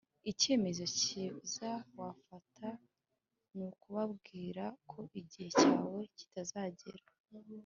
ikemezo kiza wafata ni ukubabwira ko igihe cyawe kitaragera